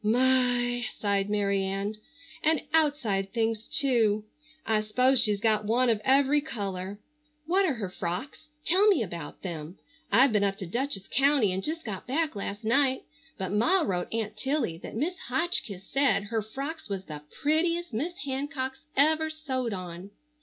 "My!" sighed Mary Ann. "And outside things, too. I 'spose she's got one of every color. What are her frocks? Tell me about them. I've been up to Dutchess county and just got back last night, but Ma wrote Aunt Tilly that Mis' Hotchkiss said her frocks was the prettiest Miss Hancock's ever sewed on."